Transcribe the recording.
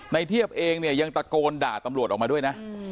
เทียบเองเนี่ยยังตะโกนด่าตำรวจออกมาด้วยนะ